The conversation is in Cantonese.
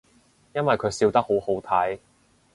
因為佢笑得好好睇